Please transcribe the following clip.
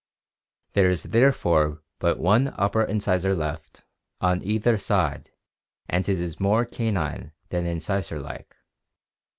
There is therefore but one upper incisor left on either side and it is more canine than incisor like.